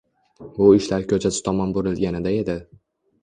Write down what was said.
Bu ishlar koʻchasi tomon burilganida edi.